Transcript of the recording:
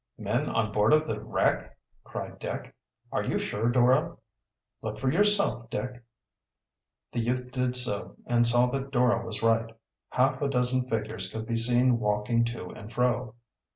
"Men on board of the wreck!" cried Dick. "Are you sure, Dora?" "Look for yourself, Dick." The youth did so and saw that Dora was right. Half a dozen figures could be seen walking to and fro.